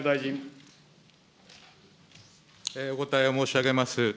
お答えを申し上げます。